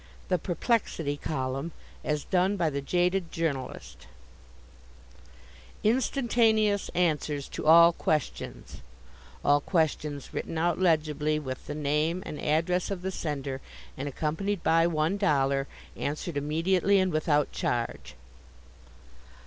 The Perplexity Column as Done by the Jaded Journalist INSTANTANEOUS ANSWERS TO ALL QUESTIONS (All questions written out legibly with the name and address of the sender and accompanied by one dollar, answered immediately and without charge.)